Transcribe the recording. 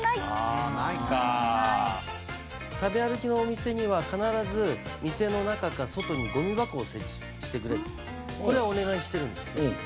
あないか食べ歩きのお店には必ず店の中か外にゴミ箱を設置してくれとこれはお願いしてるんですね